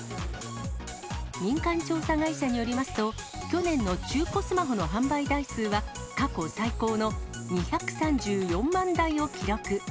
民間調査会社によりますと、去年の中古スマホの販売台数は過去最高の２３４万台を記録。